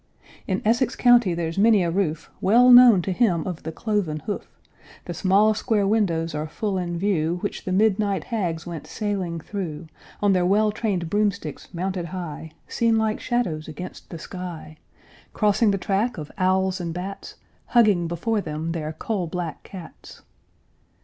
In Essex county there's many a roof Well known to him of the cloven hoof; The small square windows are full in view Which the midnight hags went sailing through, On their well trained broomsticks mounted high, Seen like shadows against the sky; Crossing the track of owls and bats, Hugging before them their coal black cats.